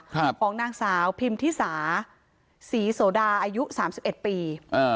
ครับของนางสาวพิมพ์ธิสาสีโสดาอายุสามสิบเอ็ดปีเอ่อ